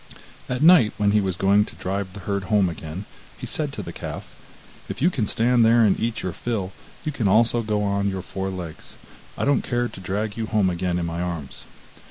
At night when he was going to drive the herd home again, he said to the calf: 'If you can stand there and eat your fill, you can also go on your four legs; I don't care to drag you home again in my arms.